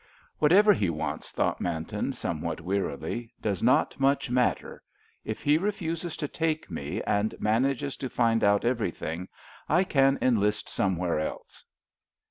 "Whatever he wants," thought Manton, somewhat wearily, "does not much matter. If he refuses to take me, and manages to find out everything, I can enlist somewhere else."